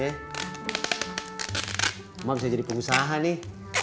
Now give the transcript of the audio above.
emang bisa jadi pengusaha nih